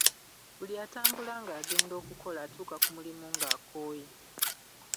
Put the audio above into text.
Buli atambula ng’agenda okukola atuuka ku mulimu ng’akooye.